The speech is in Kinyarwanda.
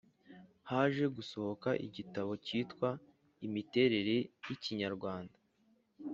haje gusohoka igitabo cyitwa Imiterere y’Ikinyarwanda,